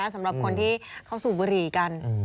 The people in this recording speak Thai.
สำหรับคนที่เขาสูบบุหรี่กัน